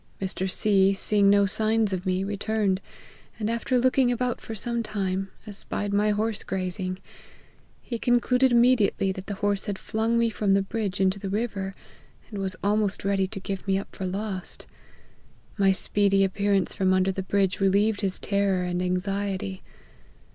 Mr. C , seeing no signs of me, returned, and after looking about for some time, espied my horse grazing ; he concluded immediately that the horse had flung me from the bridge into the river, and was almost i eady to give me up for lost. My speedy appear ance from under the bridge relieved his terror and anxiety.